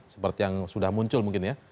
seperti yang sudah muncul mungkin ya